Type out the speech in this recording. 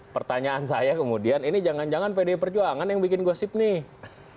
pertanyaan saya kemudian ini jangan jangan pdi perjuangan yang bikin gosip nih